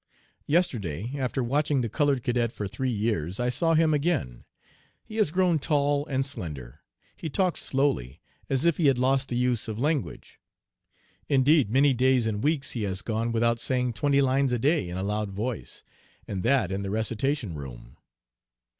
"Yesterday, after watching the colored cadet for three years, I saw him again. He has grown tall and slender. He talks slowly, as if he had lost the use of language. Indeed many days and weeks he has gone without saying twenty lines a day in a loud voice, and that in the recitation room.